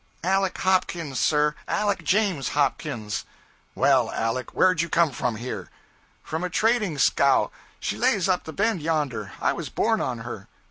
'Aleck Hopkins, sir. Aleck James Hopkins.' 'Well, Aleck, where did you come from, here?' 'From a trading scow. She lays up the bend yonder. I was born on her.